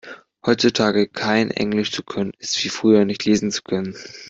Heutzutage kein Englisch zu können ist wie früher nicht lesen zu können.